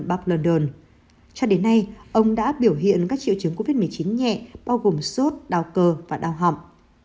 bác london cho đến nay ông đã biểu hiện các triệu chứng covid một mươi chín nhẹ bao gồm sốt đau cơ và đau họng